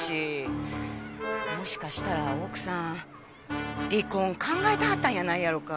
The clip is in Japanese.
もしかしたら奥さん離婚考えてはったんやないやろか？